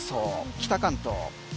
北関東。